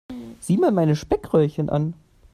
Sieh mal meine Speckröllchen an.